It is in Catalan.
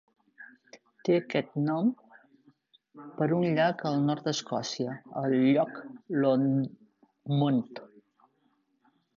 Té aquest nom per un llac al nord d'Escòcia, el Loch Lomond.